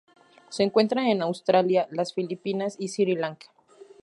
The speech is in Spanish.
Se encuentra en Australia, las Filipinas y Sri Lanka.